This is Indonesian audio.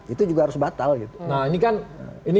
itu juga harus batal gitu nah ini kan